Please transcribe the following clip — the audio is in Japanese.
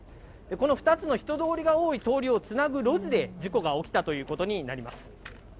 この２つの人通りが多い通りをつなぐ路地で事故が起きたということになります。